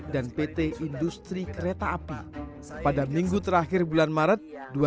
dan pt industri kereta api pada minggu terakhir bulan maret dua ribu dua puluh tiga